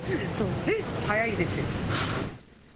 えっ、早いですよ。